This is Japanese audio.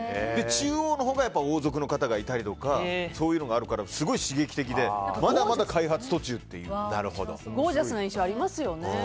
中央のほうに王族の方がいたりとかそういうのがあるからすごい刺激的でゴージャスな印象がありますね。